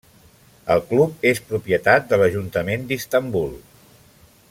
El club és propietat de l'ajuntament d'Istanbul.